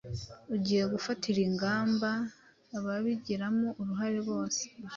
ugiye gufatira ingamba ababigiramo uruhare bose